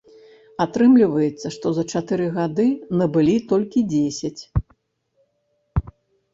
Атрымліваецца, што за чатыры гады набылі толькі дзесяць.